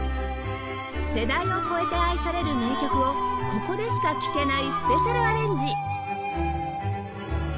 世代を超えて愛される名曲をここでしか聴けないスペシャルアレンジ！